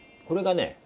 これがね